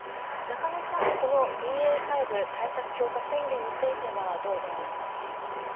中野さん、このＢＡ．５対策強化宣言についてはどうご覧になりますか。